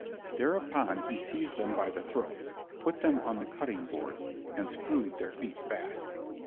Thereupon he seized them by the throats, put them on the cutting board and screwed their feet fast.